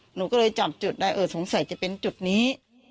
หนูก็เลยจับจุดได้เออสงสัยจะเป็นจุดนี้